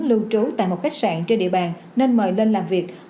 lưu trú tại một khách sạn trên địa bàn nên mời lên làm việc